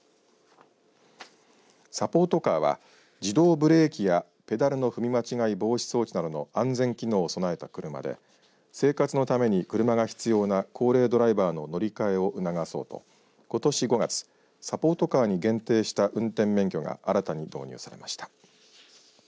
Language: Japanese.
サポートカーは自動ブレーキやペダルの踏み間違い防止装置などの安全機能を備えた車で生活のために車が必要な高齢ドライバーの乗り換えを促そうと、ことし５月サポートカーに限定した運転免許が新たに導入されました。